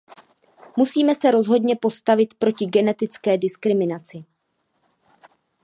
Musíme se rozhodně postavit proti genetické diskriminaci.